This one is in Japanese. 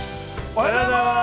◆おはようございます。